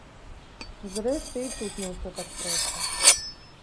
Зрэшты, і тут не ўсё так проста.